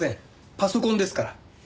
パソコンですから。